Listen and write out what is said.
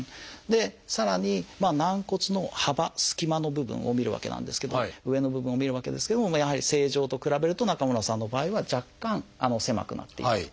さらに軟骨の幅隙間の部分を見るわけなんですけど上の部分を見るわけですけどもやはり正常と比べると中村さんの場合は若干狭くなっている。